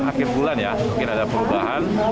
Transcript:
akhir bulan ya mungkin ada perubahan